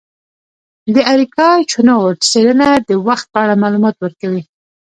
د اریکا چنووت څیړنه د وخت په اړه معلومات ورکوي.